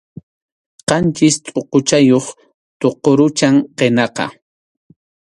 Qanchis tʼuquchayuq tuqurucham qinaqa.